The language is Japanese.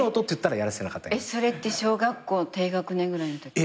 それって小学校低学年ぐらいのとき？